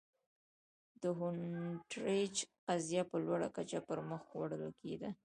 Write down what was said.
د هونټریج قضیه په لوړه کچه پر مخ وړل کېده.